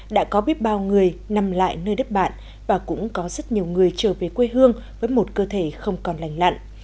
đã có biết bao người nằm lại nơi đất bạn và cũng có rất nhiều người trở về quê hương với một cơ thể không còn lành lặn